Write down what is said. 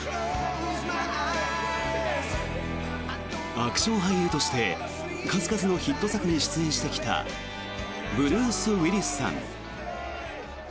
アクション俳優として数々のヒット作に出演してきたブルース・ウィリスさん。